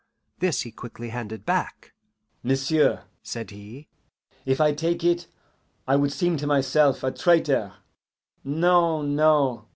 This he quickly handed back. "M'sieu'," said he, "if I take it I would seem to myself a traitor no, no.